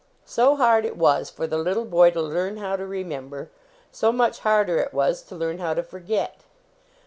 So hard it was for the little boy to learn how to remember; so much harder it was to learn how to forget.